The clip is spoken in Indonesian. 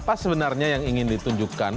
apa sebenarnya yang ingin ditunjukkan